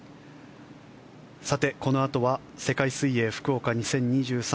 さて、このあとは世界水泳福岡２０２３